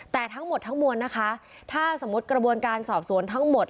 แต่ทั้งหมดทั้งมวลนะคะถ้าสมมุติกระบวนการสอบสวนทั้งหมด